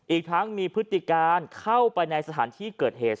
อีกทั้งมีพฤติการเข้าไปในสถานที่เกิดเหตุ